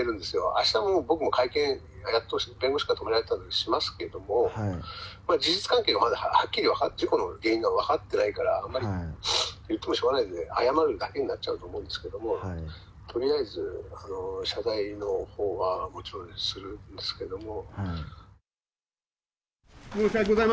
あした、僕も会見やっと、弁護士から止められてたりしたんですけれども、事実関係がまだ、事故の原因が分かってないから、あまり言ってもしょうがないんで、謝るだけになっちゃうと思うんですけれども、とりあえず謝罪のほうは、もちろんするんですけども。